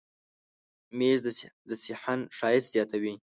مېز د صحن ښایست زیاتوي.